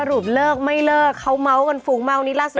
อะไรทุกข้าวเดียววะ